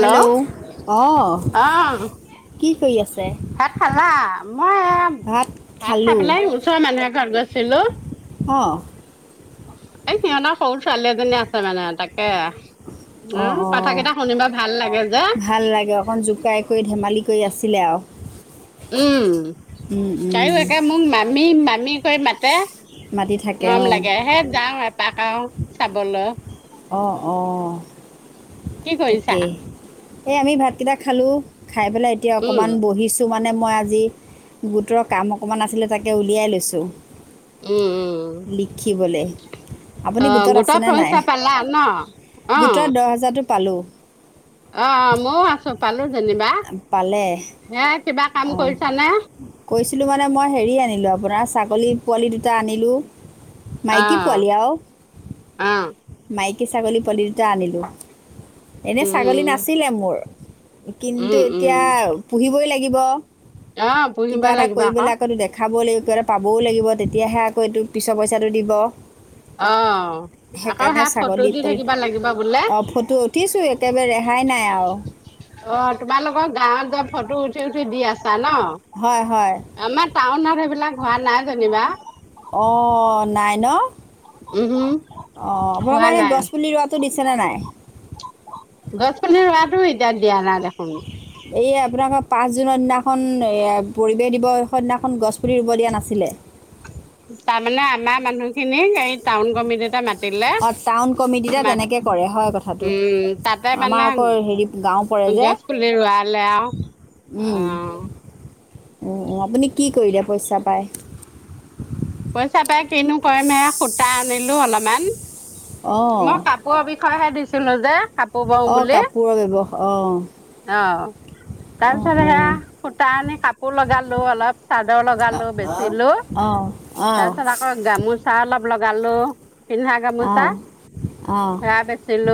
Hello! অঁ, অ কি কৰি আছ ভাত খালা? মই [unintelligible] ভাত ভাত খাই খালোঁ পেলাই ওচৰ মানুহ এঘত গৈছিলো। অঁ। এই সিহঁতৰ সৰু ছোৱালী এজনী আছে মানে তাকে। এঁ অঁ কথা অঁ কেইটা শুনিবা ভাল লাগে যে। ভাল লাগে অঁ অকণ জোকাই কৰি ধেমালি কৰি আছিলে আও উম তাইয়ো একে মোক মামী মামী কৈ মাতে মাতি থাকে মৰম অঁ লাগে হে যাওঁ এপাক আও চাবলৈ। অঁ অঁ কি কৰিছা তাকেই এই আমি ভাতকেইটা খালোঁ, খাই পেলাই এতিয়া উম অকণমান বহিছ তো মানে মই আজি গোটৰ কাম অকণমান আছিলে, তাকে উলিয়াই লৈছোঁ। উম উম লিখিবলে আপুনি গোটত আছেনে নাই? খালা ন'? অ গোটত দহ হাজাৰটো পালোঁ। অঁ ময়ো আছো পালো যেনিবা, পালে হেয়া কিবা কাম কৰিছানে? কৰিছিলোঁ মানে মই হেৰি আনিলোঁ আপোনাৰ ছাগলী পোৱালি দুটা আনিলোঁ। মাইকী অঁ পোৱালি আৰু অঁ মাইকী ছাগলী পোৱালী দুটা আনিলোঁ, এনেই ছাগলী উম নাছিলে মোৰ। উম কিন্তু এতিয়া উম পুহিবই লাগিব, আহ পুহিব কিবা এটা লাগিব কৰি পেলাই আকৌ টো দেখা খাব লাগিব কিবা এটা পাবও লাগিব, তেতিয়াহে আকৌ এইটো পিছৰ পইচাটো দিব। অঁ। সেইকাৰণে ছাগলী বোলে পোৱালিত অঁ ফটো উঠিছোঁ একেবাৰে ৰেহাই নাই আও। অঁ, তোমালোকৰ গাঁৱত যে ফটো উঠি উঠি দি আছা হয় ন'? হয় আমা টাউনত সেইবিলাক হোৱা নাই যেনিবা। অঁ নাই ন'? উমহম অঁ হোৱা আপোনালোকৰ হে নাই গছ পুলি ৰোৱাটো দিছেনে নাই? গছ পুলি ৰুৱাটোও এতিয়া দিয়া নাই দেখোন। এই আপোনালোকৰ পাঁচ জুনৰ দিনাখন, এয়া পৰিৱেশ দিৱসৰ দিনাখন গছপুলি ৰুব দিয়া নাছিলে? তাৰমানে আমাৰ মানুহখিনিক সেই টাউন কমিটীতে মাত তিলে অঁ টাউন কমিটিতে মাত, তেনেকৈ কৰে হয় কথাটো উম তাতে আমাৰ মানে আকৌ হেৰি গাঁও পৰে যে গছ পুলি ৰোৱালে আও। উম অ' অ' আপুনি কি কৰিলে পইচা পায়? পইচা পাই কিনো কৰিম এয়া সূতা আনিলো অলমান। অঁ মই কাপোৱৰ বিষয়েহে দিছিলো যে। কাপোৰ অ' কাপোৰৰ ব্যৱস অ' অঁ তাৰপিছত সেয়া সূতা আনি কাপোৰ লগালো অলপ। চাদৰ লগালো, অঁ বেচিলো। অঁ অঁ তাৰ পিছত‌ আক আকৌ, গামোচা অলপ লগালো, পিন্ধা অঁ গামোচা। অঁ অঁ অঁ অঁ সেয়া বেছিলো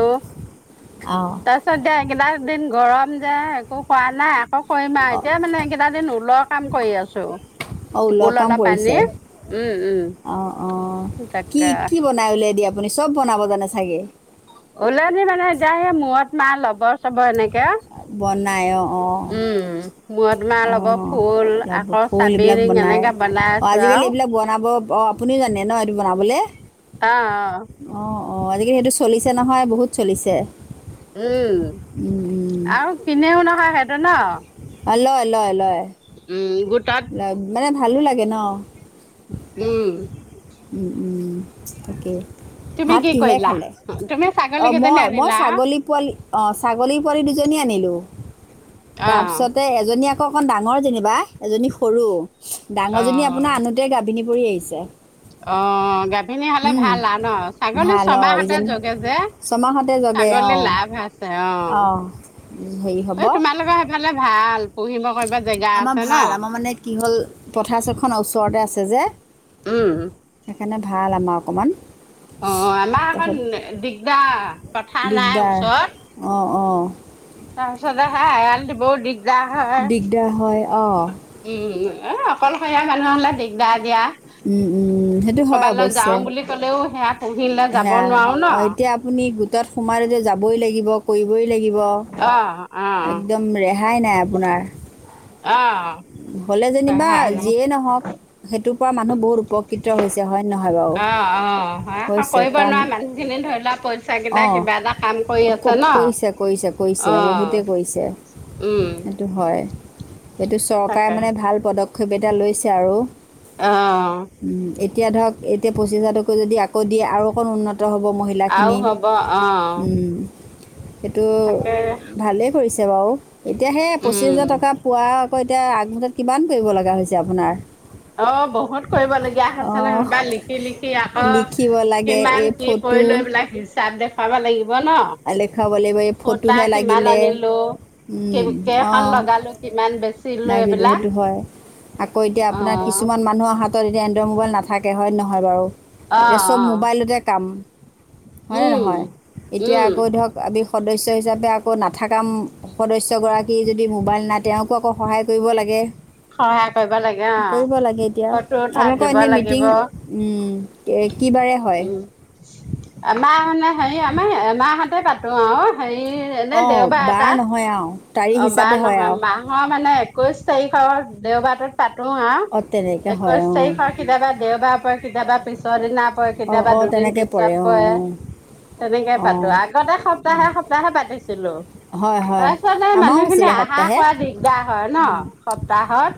অঁ তাৰ তাৰ পিছত যাই এইগিলা দিন গৰম যে, একো কৰা নাই আকৌ কৰিম আও এতিয়া মানে একেটা দিন ঊলৰ কাম কৰি আছো। অঁ ঊলৰ ঊল কাম অলপ পৰিছে আনি। উম উম অঁ অঁ কি তাকে কি বনাই ওলিয়াই দিয়ে আপুনি, চব বনাব জানে চাগে? ঊলেদি মানে যায় সেই মূৰত মাৰা লবৰ-চবৰ এনেকে বনায় অঁ উম, মূৰত মাৰা ল'ব অঁ ফুল ল'বো আকৌ শোল এইবিলাক চাবিৰিং বনায়। এনেকে বনাই অঁ আছো আজিকালি আৰু। এইবিলাক বনাব অ' আপুনিও জানে ন এইটো বনাবলে? অঁ অঁ। অ', অ', আজিকালি সেইটো চলিছে নহয়, বহুত চলিছে। উম, আৰু কিনেও নহয় সেইটো ন'। অ' লয় লয় লয়, উম, গোটত লয় মানে ভালো লাগে ন'। উম। উম, উম, তাকে। তুমি ভাত কি কিহেৰে কৰিলা? খালে? তুমি ছাগলী অ' কেইজনী মই মই আনিলা? ছাগলী পোৱালি অ' ছাগলী পোৱালী দুজনী আনিলোঁ, তাৰ অ', পিছতে এজনী আকৌ আকৌ অকণ ডাঙৰ যেনিবা এজনী সৰু, ডাঙৰজনী আপোনাৰ অ', আনোতে গাভিনী পৰি আহিছে। অ' গাভিনী হ'লে ভাল আৰু ন' ছাগলী ভাল অঁ ছমাহতে এইজনী জগে যে। ছমাহতে জগে ছাগলী অ', লাভ আছে অ', হেৰি হ'ব। ফালে ভাল পুহিব কৰিব জেগা আমাৰ আছে ন'। ভাল আমাৰ মানে কি হ'ল পথাৰছখন ওচৰতে আছে যে। উম। সেইকাৰণে ভাল আমাৰ অকমান। অ' আমাৰ অকণ দিগদাৰ। পথাৰ নাই দিগদাৰ অ‌', অ'। তাৰপাছতে হে [unintelligible] দিবওঁ দিগদাৰ হয়। উম, দিগদাৰ হয় অঁ অকলশৰীয়া মানুহ হ'লে দিগদাৰ দিয়া। উম, উম, সেইটো হয় অৱশ্যে। ক'লেওঁ সেয়া পুহিলে যাব সেয়া নোৱাৰো ন'। অঁ এতিয়া আপুনি গোটত সোমালে যে যাবই লাগিব কৰিবই লাগিব, অ একদম ৰেহাই নাই আপোনাৰ। অ হ'লে যেনিবা যিয়েই নহওঁক। সেইটোৰ পৰা মানুহ বহুত উপকৃত হৈছে হয় নে নহয় বাৰু। অ অ হয় হৈছে কৰিব কাৰণ নোৱাৰা মানুহখিনি ধৰি লোৱা পইচা কেইটা অঁ কিবা এটা কাম কৰি আছে ক- কৰিছে ন'। কৰিছে অ কৰিছে বহুতেই কৰিছে। উম। এইটো হয়, এইটো চৰকাৰে তাকে মানে ভাল পদক্ষেপ এটা লৈছে আৰু। অ'। উম, এতিয়া ধৰক এতিয়া পঁচিছ হাজাৰকৈ যদি আকৌ দিয়ে আৰু অকণ উন্ন ত হ'ব আৰু মহিলাখিনি। হ'ব অ সেইটো তাকে ভালেই কৰিছে বাৰু, এতিয়া সেই পঁচিছ উম হেজাৰ টকা পোৱা আকৌ এতিয়া আগদিনত কিমান কৰিব লগা হৈছে আপোনাৰ। অ' বহুত কৰিবলগীয়া হৈছে অঁ নহয় বা লিখি লিখি আকৌ লিখিব লাগে কিমান এই কি ফটো কৰিলোঁ এইবিলাক হিচাপ দেখুৱাব লাগিব দেখুৱাব লাগিব এই ন'। সূতা ফটোহে কিমান লাগিলে আনিলোঁ, উম, কে-কেইখন লগালোঁ। কিমান বেছ লাগিলো সেইটো হয়, আকৌ এতিয়া আপোনাৰ অ' কিছুমান মানুহৰ হাতত এতিয়া এন [unintelligible] মোবাইল নাথাকে হয় নহয় বাৰু, এতিয়া অ' চব অ' মোবাইলতে কাম। হয়নে উম নহয়, এতিয়া উম আকৌ ধৰক আমি সদস্য হিচাপে আকৌ নাথাকাম সদস্যগৰাকী যদি মোবাইল নাই তেওঁকো আকৌ সহায় কৰিব লাগে। সহায় কৰিব লাগে অ' কৰিব লাগে এতিয়া, ফটো উঠাত আপোনালোকৰ দিব এনে মিটিং লাগিব। উম, কে-কি বাৰে হয়? উম আমাৰ মানে হেৰি আমাৰ এমাহতে পাতোঁ আৰু হেৰি এনে অঁ দেৱবা বাৰ এটাত হয় আৱ তাৰিখ অ হিচাপে বাৰ নহয় মাহৰ মানে একৈশ তাৰিখৰ দেওবাৰটোত পাতো আৱ অঁ তেনেকৈ হয় একৈশ অঁ তাৰিখৰ কেতিয়াবা দেওবা পৰে কেতিয়াবা পিছৰ দিনা পৰে অঁ কেতিয়াবা অঁ দুদিন তেনেকৈ পিছত অঁ পৰে তেনেকে অঁ পাতোঁ আগতে সপ্তাহে সপ্তাহে পাতিছিলোঁ অঁ হয় তা হয় আমাৰো মানুহখিনি আছিলে সপ্তাহে আহাৰখোৱা দিগদাৰ হয় ন উম, সপ্তাহত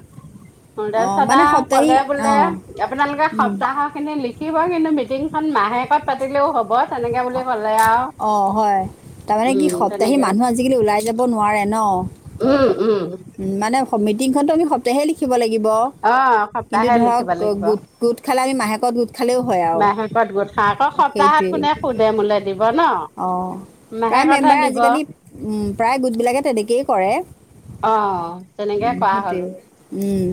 অঁ মানে নদেচদাক সপ্তাহী কলে বোলে অঁ আপোনালোকে উম, সপ্তাহ' খিনি লিখিব কিন্তু মিটিংখন মাহেকত পাতিলেওঁ হ'ব তেনেকে অ বুলি ক'লে আৰু অ হয় তাৰমানে কি উম সপ্তাহী তেনেকে মানুহ আজিকালি ওলাই যাব নোৱাৰে ন উম উম মানে সমিটিংখনতো আমি স প্তাহতে লিখিব লাগিব অ কিন্তু সপ্তাহে ধৰক লিখিব লাগিব গোট গোট খালে আমি মাহেকত খালেও হয় আৰু মাহেকত গোট খাওঁ আকৌ অঁ, সপ্তাহত কোনে সুধে মোলে দিব ন অ প্ৰায় মাহেকতহে মেম্বাৰে দিব আজিকালি উম প্ৰায় গোটবিলাকে তেনেকেই কৰে অ অ অ তেনেকে উম, কৰা সেইটোৱেই হ'লো উম,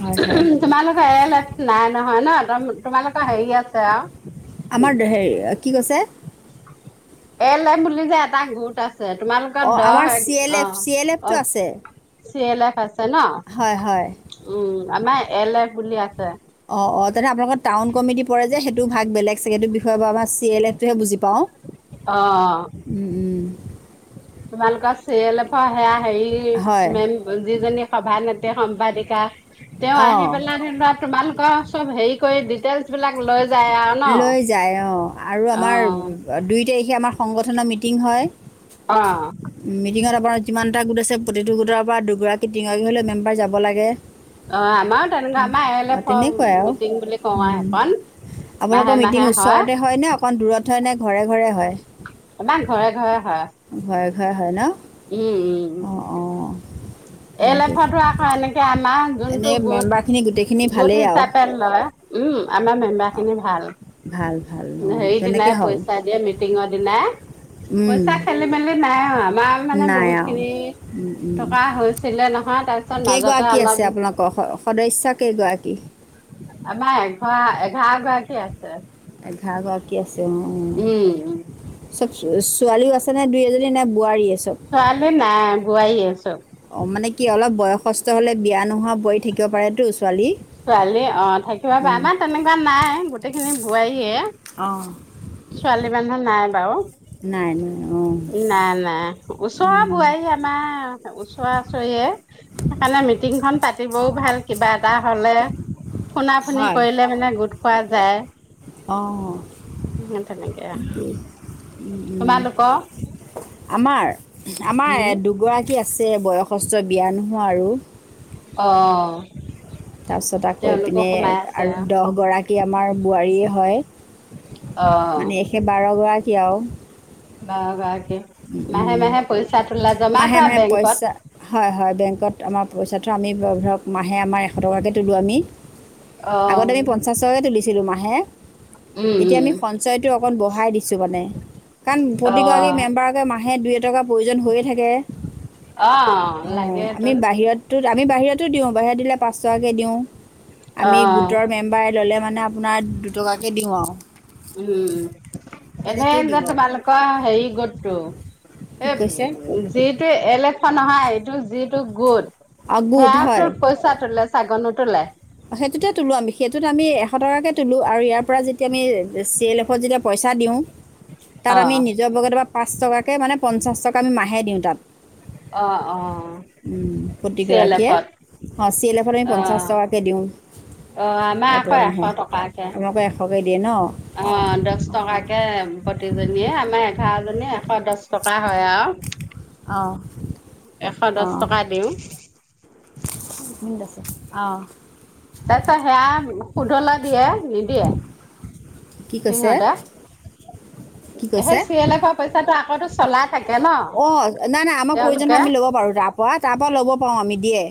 হয় হয় তোমালোকৰ এলেট নাই নহয় ন তোমালোকৰ হেৰি আছে আৱ আমাৰ ধে কি কৈছে? এল এফ বুলি যে এটা গোট আছে তোমালোকৰ অঁ দহ আমাৰ C L F C L এ এফটো আছে চি এল এফ আছে ন হয় হয় উম, আমাৰ এল এফ বুলি আছে অ অ তেনে আপোনালোকৰ টাউন কমিটি পৰে যে সেইটো ভাগ বেলেগ চাগে এইতো বিষয়, চি এল এফটোহে বুজি পাওঁ। অ অ উম উম তোমালোকৰ চি এল এফৰ সেয়া হয় হেৰি মেম যিজনী সভানেত্ৰী, সম্পাদিকা তেওঁ আহি অঁ পেলাই যেনিবা তোমালোকৰ চব হেৰি কৰি ডিটেলচ বিলাক লৈ যায় আৱ লৈ যায় অ' আৰু আমাৰ দুই তাৰিখে আমাৰ সংগঠনৰ মিটিং হয়। অ' মিটিঙত আপোনাৰ যিমান এটা গোট আছে, প্ৰতিটো গোটৰ পৰা দুগৰাকী-তিনিগৰাকী হ'লেও মেম্বাৰ যাব লাগে। অ', আমাৰো তেনেকুৱা, তেনে- আমাৰ এ এল অঁ এফ তেনেকুৱাই আৰু মিটিং বুলি কওঁ আউ উম। হেখন। আপোনালোকৰ মিটিং ওচৰতে হয় নে, অকণ দূৰত হয় নে, ঘৰে ঘৰে হয়? আমা ঘৰে ঘৰে হয়। ঘৰে ঘৰে হয় ন অ অ এল এল এফটো আকৌ এনেকে আমা যোনটো এনেই গোট মেম্বাৰখিনি গোটেইখিনি গোট ভালেই আৰু হিচাপে লয় উম আমা মেম্বাৰ অঁ খিনি ভাল। ভাল ভাল অঁ তেনেকে সেইদিনাই হওক পইচা দিয়ে মিটিংৰ দিনাই উম, পইচা খেলি মেলি নাই আৱ আমাৰ মানে নাই আৰু বহুতখিনি। উম টকা হৈছিলে নহয়। তাৰপিছত মাজতে কেগৰাকী অলপ আছে আপোনালোক' স, সদস্য কেইগৰাকী? আমা এঘা এঘাৰগৰাকী আছে। এঘাৰগৰাকী আছে উম উম চব ছোৱালীও আছে নে দুই-এজনী, নে বোৱাৰীয়ে চব? ছোৱালী নাই বোৱাৰিয়ে চব। অ মানে কি অলপ বয়সস্থ হ'লে বিয়া নোহোৱা বোৱাৰী থাকিব পাৰেটো। ছোৱালী অ থাকিব পাৰে আমাৰ তেনেকুৱা নাই গোটেইখিনি বোৱাৰীয়ে। অ ছোৱালী মানুহ নাই বাৰু নাই নাই চব উম, বোৱাৰীয়ে নাই ওচৰা ওচৰিৱে। সেইকাৰণে মিটিংখন পাতিবও ভাল কিবা এটা হ'লে। ফোনা ফোনি হয় কৰিলে মানে গোট খোৱা যায়। অ উম তেনেকেই উম, উম। তোমালোকৰ আমাৰ উম, আমাৰ দুগৰাকী আছে বয়সস্থ বিয়া নোহোৱা আৰু। অ তাৰপিছত আকৌ তেওঁলোকো এইপিনে সোমাই আছে আৰু দহগৰাকী আমাৰ বোৱাৰীয়ে হয়। অ সেই বাৰগৰাকী আৰু। বাৰ গৰাকী মাহে মাহে পইচা তোলা জমা মাহে থোৱা মাহে পইচা বেংকত। হয় হয় বেংকত আমাৰ পইচা থও আমি ধৰক মাহে আমাৰ এশ টকাকে তোলোঁ আমি। আগতে অ', আমি পঞ্চাশ টকাকে তুলিছিলো মাহে। উম, এতিয়া উম, আমি সঞ্চয়টো অকণ বঢ়াই দিছো মানে কাৰণ প্ৰতিগৰাকী অ', মেম্বাৰ। মাহে দুই-এটকা প্ৰয়োজন হৈয়ে থাকে অ আমি বাহিৰত। তো আমি বাহিৰতো দিওঁ বাহিৰত দিলে পাঁচ টকাকে দিওঁ আমি অ', গোটৰ। মেম্বাৰে ল'লে মানে আপোনাৰ দুটকাকে দিওঁ আৰু। উম উম এই তেনেকৈয়ে যে দিওঁ আৰু তোমালোকৰ হেৰি গোটটো। কি কৈছে এই যিটো এল এফ নহয় এইটো যিটো গোট। অ গুড হয় সেয়াতো পইচা তোলে চাগে নোতোলে। সেইটোতে তোলো আমি সেইটোত আমি এশ টকাকে তোলো আৰু ইয়াৰ পৰা। তেতিয়া আমি চি এল এফত যেতিয়া পইচা দিওঁ তাত আমি অ', নিজৰ পকেটৰ পৰা পাঁচ টকাকে মানে পঞ্চাছ টকা আমি মাহে দিওঁ তাত অ', অ', উম চি এল প্ৰতিগৰাকীয়ে এফত অ চি এল এফত আমি পঞ্চাছ অ', টকাকে দিওঁ অ', আমাৰ তাৰ আকৌ পৰা এশ মাহে টকাকে আপোনালোকৰ এশকে দিয়ে ন অ দহ টকাকে প্ৰতিজনীয়ে আমাৰ এঘাৰজনী এশ দহ টকা হয় আৱ অ অ দহ টকা দিওঁ এইখিনিত আছে অ তাৰপিছত সেয়া সোদলে দিয়ে নিদিয়ে কি কৈছে সিহঁতে কি সেই কৈছে চি এলফৰ পইচাটো আকৌ টো চলাই থাকে ন অ নাই নাই আমাৰ প্ৰয়োজন হয় তেওঁলোকে আমি ল'ব পাৰো তাৰপৰা তাৰপৰা ল'ব পাৰো আমি দিয়ে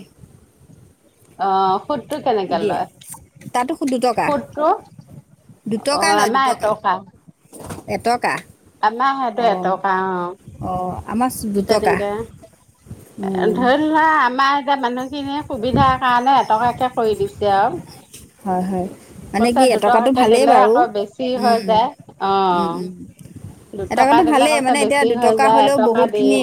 অহ সুদটো কেনেকে দিয়ে লয় তাতো দুটকা সুদটো অ দুটকা লয় আমাৰ দুটকা এটকা এটকা আমাৰ সেইটো অ এটকা অ আমাৰ দুটকা তেনেকে উম ধৰি লোৱা আমাৰ এতিয়া মানুহখিনিয়ে সুবিধাৰ কাৰণে এটকাকে কৰি দিছে আৰু হয় হয় মানে কৈছে কি এটকাটো দুটকাকে ভালেই দিলে বাৰু আকৌ বেছি উম হৈ যায় উম অ উম দুটকা এটকাটো দিলে ভালেই কৈছে মানে এতিয়া বেছি হৈ দুটকা যায় হ'লেও এটকা বহুত দি খিনি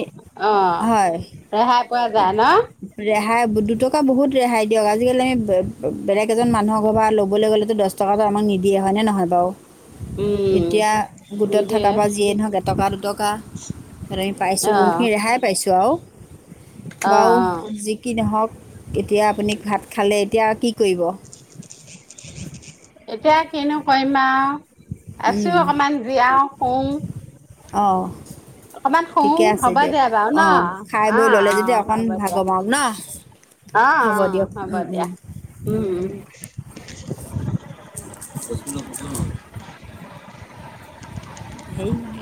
অ হয় ৰেহাই পোৱা যায় ন ৰেহাই দুটকা বহুত ৰেহাই দিয়ক আজিকালি বে বে বেলেগ কেইজন মানুহক ঘৰ পা লবলৈ গ'লেতো দহ টকাটো আমাক নিদিয়ে হয় নে নহয় বাৰু? উম এতিয়া গোটত থাকা নিদিয়ে পা যিয়েই নহক এটকা দুটকা- তেনেকে পাইছোঁ অ বহুতখিনি ৰেহাই পাইছোঁ আও‌ অ অ বাও যি- কি নহওক এতিয়া আপুনি ভাত খালে, এতিয়া কি কৰিব? এতিয়া কিনো কৰিম আও আছোঁ উম, অকমান জীয়াও শুঁ। অঁ' অকমান শুঁ ঠিকে আছে হ'ব দিয়ক দিয়া বাৰু ন' অঁ খাই বৈ অঁ ল'লে অঁ যেতিয়া অকণ হ'ব দিয়া। ভাগৰ মাৰক ন অঁ হ'ব অঁ দিয়ক হব উম উম দিয়া, উম উম'। [unintelligible] সেই-